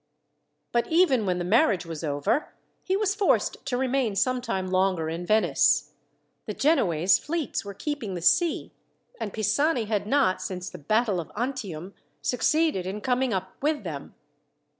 But even when the marriage was over, he was forced to remain some time longer in Venice. The Genoese fleets were keeping the sea, and Pisani had not, since the battle of Antium, succeeded in coming up with them.